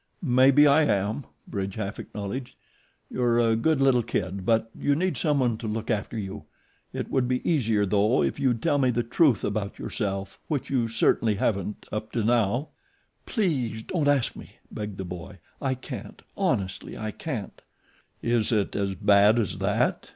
"Maybe I am," Bridge half acknowledged. "You're a good little kid, but you need someone to look after you. It would be easier though if you'd tell me the truth about yourself, which you certainly haven't up to now." "Please don't ask me," begged the boy. "I can't; honestly I can't." "Is it as bad as that?"